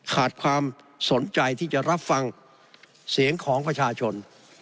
ขาดความสนใจที่จะรับฟังเสียงของประชาชน